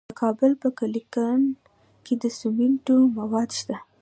د کابل په کلکان کې د سمنټو مواد شته.